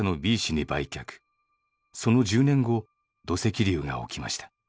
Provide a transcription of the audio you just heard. その１０年後土石流が起きました。